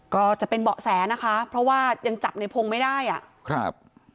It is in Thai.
ก็จะเป็นเบาะแสนะคะเพราะว่ายังจับในพงศ์ไม่ได้อ่ะครับ